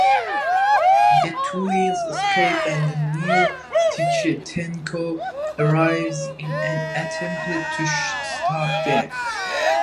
The twins escape as the new Tenko arrives in an attempt to stop them.